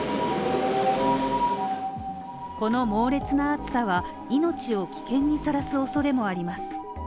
この猛烈な暑さは命を危険にさらるおそれもあります。